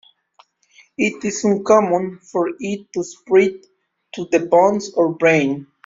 It is uncommon for it to spread to the bones or brain.